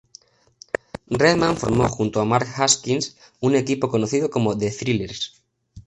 Redman formó junto a Mark Haskins un equipo conocido como The Thrillers.